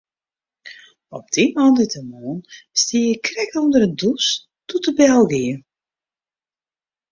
Op dy moandeitemoarn stie ik krekt ûnder de dûs doe't de bel gie.